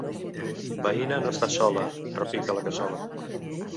Veïna no estàs sola, repica la cassola.